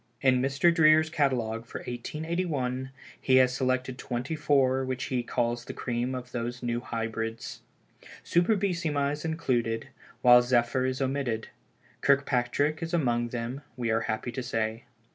In Mr. Dreer's catalogue for 1881, he has selected twenty four which he calls the cream of those New Hybrids. Superbissima is included, while Zephyr is omitted. Kirkpatrick is among them, we are happy to say.